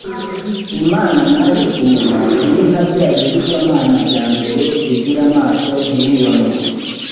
Imana naje kumenya ntiri nka bya bigirwamana bya mbere bigira amaso ntibibone,